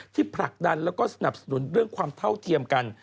ผลักดันแล้วก็สนับสนุนเรื่องความเท่าเทียมกัน